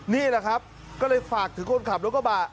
นี่ละครับก็เลยฝากถึงคนขับ